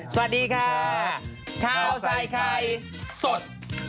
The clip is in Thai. สวัสดีค่ะข้าวใส่ไข่สด